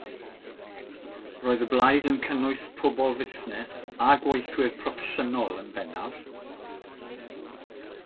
Roedd y blaid yn cynnwys pobl fusnes a gweithwyr proffesiynol yn bennaf.